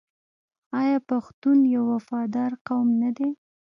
آیا پښتون یو وفادار قوم نه دی؟